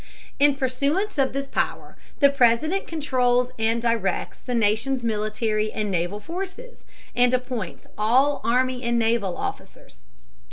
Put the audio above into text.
In pursuance of this power the President controls and directs the nation's military and naval forces, and appoints all army and naval officers.